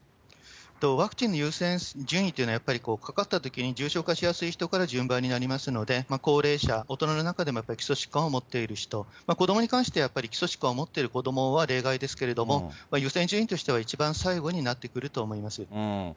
ワクチンの優先順位というのは、やっぱり、かかったときに重症化しやすい人から順番になりますので、高齢者、大人の中でもやっぱり基礎疾患を持っている人、子どもに関してはやっぱり基礎疾患を持ってる子どもは例外ですけれども、優先順位としては一番最後になってくると思います。